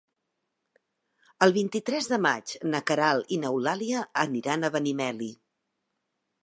El vint-i-tres de maig na Queralt i n'Eulàlia aniran a Benimeli.